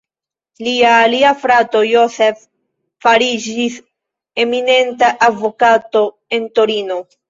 Lia alia frato Joseph fariĝis eminenta advokato en Torino.